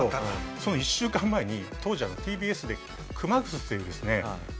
その１週間前に当時ＴＢＳで『クマグス』というですね